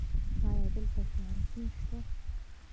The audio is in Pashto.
ایا دلته کانتین شته؟